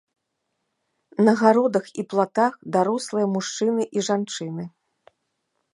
На гародах і платах дарослыя мужчыны і жанчыны.